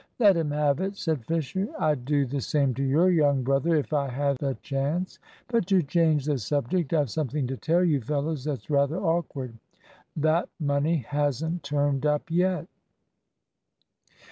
"Let him have it," said Fisher. "I'd do the same to your young brother if I had the chance. But to change the subject, I've something to tell you fellows that's rather awkward. That money hasn't turned up yet."